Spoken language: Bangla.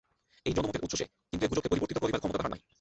এই জনমতের উৎস সে, কিন্তু এ গুজবকে পরিবর্তিত করিবার ক্ষমতা তাহার নাই।